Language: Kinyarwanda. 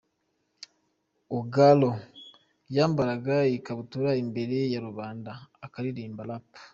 Ogalo yambaraga ikabutura imbere ya rubanda aakaririmba Rap.